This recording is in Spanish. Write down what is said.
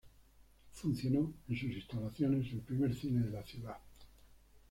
Funcionó en sus instalaciones el primer cine de la ciudad.